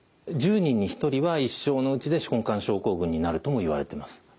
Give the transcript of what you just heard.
１０人に１人は一生のうちで手根管症候群になるともいわれてます。